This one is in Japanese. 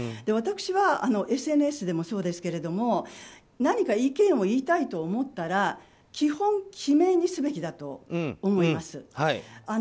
私はＳＮＳでもそうですけれども何か意見を言いたいと思ったら基本、記名にすべきだと思います。